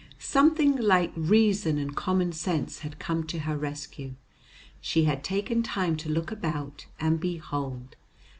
Something like reason and common sense had come to her rescue; she had taken time to look about, and behold!